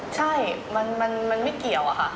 ใช่มันไม่เกี่ยว